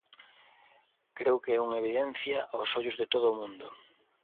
Creo que é unha evidencia aos ollos de todo o mundo.